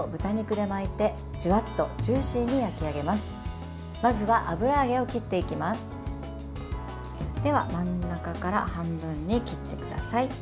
では、真ん中から半分に切ってください。